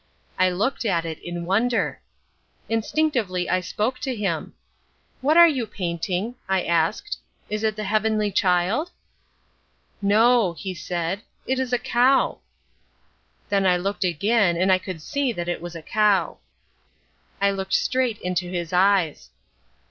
I looked at it in wonder. Instinctively I spoke to him. "What are you painting?" I said. "Is it the Heavenly Child?" "No," he said, "it is a cow!" Then I looked again and I could see that it was a cow. I looked straight into his eyes.